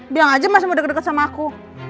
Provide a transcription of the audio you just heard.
bilang aja mas mau deket deket sama aku